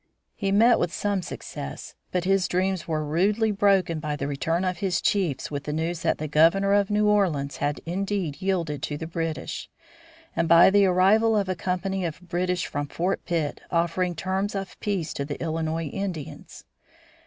He met with some success, but his dreams were rudely broken by the return of his chiefs with the news that the Governor of New Orleans had indeed yielded to the British, and by the arrival of a company of British from Fort Pitt, offering terms of peace to the Illinois Indians.